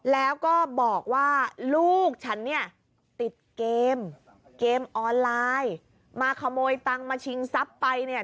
แล้วก็บอกว่าลูกฉันเนี่ยติดเกมเกมออนไลน์มาขโมยตังค์มาชิงทรัพย์ไปเนี่ย